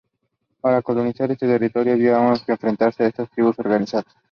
Para colonizar este territorio había que enfrentarse a estas tribus organizadas.